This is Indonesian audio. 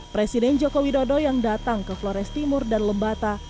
presiden joko widodo yang datang ke flores timur dan lembata